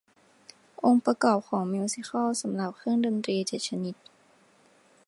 องค์ประกอบของมิวสิคัลสำหรับเครื่องดนตรีเจ็ดชนิด